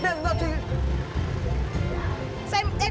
sao em cứ bình tĩnh